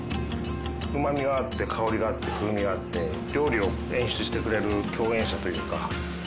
うまみがあって香りがあって風味があって料理を演出してくれる共演者というか。